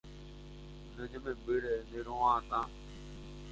¡Ne añamembyre, nderova'atã!